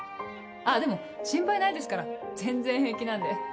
あでも心配ないですから全然平気なんで。